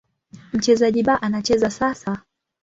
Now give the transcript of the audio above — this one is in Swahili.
Mchezaji B anacheza sasa.